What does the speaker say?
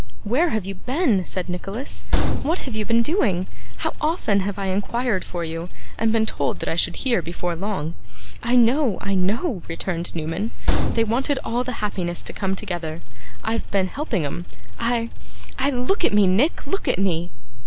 'Where have you been?' said Nicholas. 'What have you been doing? How often have I inquired for you, and been told that I should hear before long!' 'I know, I know!' returned Newman. 'They wanted all the happiness to come together. I've been helping 'em. I I look at me, Nick, look at me!